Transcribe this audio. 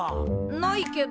ないけど。